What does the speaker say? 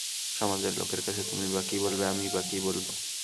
সমাজের লোকের কাছে তুমিই বা কী বলবে আমিই বা কী বলব?